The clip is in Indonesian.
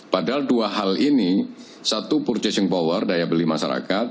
padahal dua hal ini satu purchasing power daya beli masyarakat